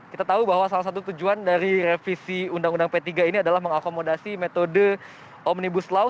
kita tahu bahwa salah satu tujuan dari revisi undang undang p tiga ini adalah mengakomodasi metode omnibus law